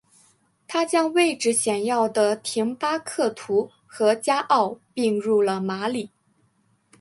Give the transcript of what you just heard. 他将位置显要的廷巴克图和加奥并入了马里。